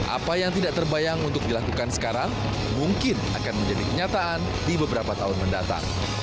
apa yang tidak terbayang untuk dilakukan sekarang mungkin akan menjadi kenyataan di beberapa tahun mendatang